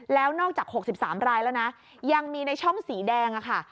แล้วนอกจาก๖๓รายแล้วนะยังมีในช่องสีแดงค่ะ